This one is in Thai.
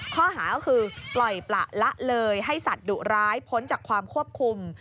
ข้อหาก็คือปล่อยประละเลยให้สัตว์ดุร้ายพ้นจากความควบคุม